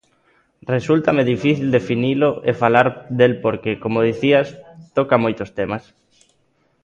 Resúltame difícil definilo e falar del porque, como dicías, toca moitos temas.